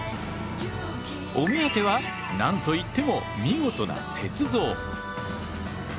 お目当ては何といっても見事な雪像。